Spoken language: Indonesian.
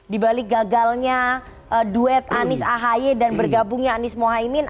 di balik gagalnya duet anies ahaye dan bergabungnya anies mohaimin